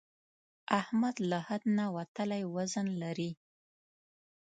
احمد له حد نه وتلی وزن لري.